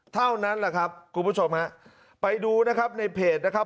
เท่านั้นแหละครับคุณผู้ชมฮะไปดูนะครับในเพจนะครับ